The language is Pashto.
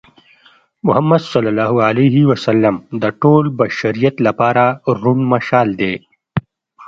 محمد ص د ټول بشریت لپاره روڼ مشال دی.